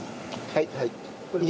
はいはい。